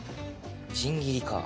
みじん切りかぁ。